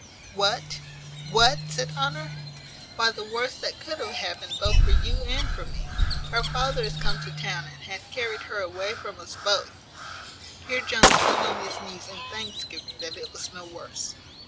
"What? What?" said Honour: "Why, the worst that could have happened both for you and for me. Her father is come to town, and hath carried her away from us both." Here Jones fell on his knees in thanksgiving that it was no worse.